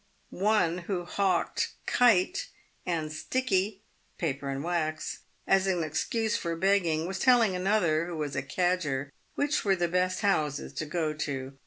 One, who hawked ' kite' and 4 sticky' (paper and wax) as an excuse for begging, was telling another, who was a cadger, which were the best houses to go to.